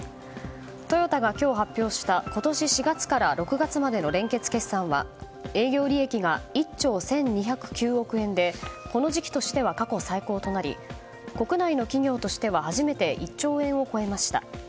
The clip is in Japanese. トヨタが今日発表した今年４月から６月までの連結決算は営業利益が１兆１２０９億円でこの時期としては過去最高となり国内の企業としては初めて１兆円を超えました。